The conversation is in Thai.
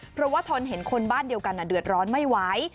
เพราะว่าทนเห็นคนบ้านเดียวกันเดือดร้อนไม่ไหว